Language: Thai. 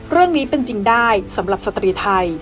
เรื่องนี้เป็นจริงได้สำหรับสตรีไทย